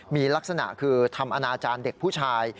มีลักษณะคือทำอนาจารย์เด็กผู้ชาย